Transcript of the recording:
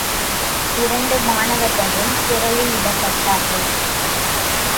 இரண்டு மாணவர்களும் சிறையிலிடப்பட்டார்கள்.